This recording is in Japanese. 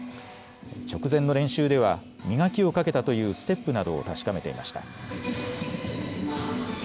直前の練習では、磨きをかけたというステップなどを確かめていました。